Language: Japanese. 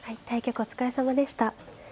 対局お疲れさまでした。